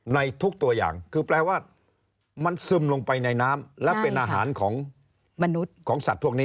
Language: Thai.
ในทุกตัวอย่างคือแปลว่าค้างมันซึมไปในน้ำและเป็นอาหารของมนุษย์ของ